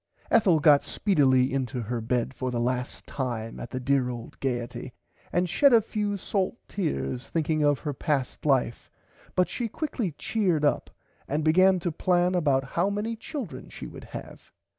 Ethel got speedilly into her [Pg 98] bed for the last time at the dear old Gaierty and shed a few salt tears thinking of her past life but she quickly cheerd up and began to plan about how many children she would have.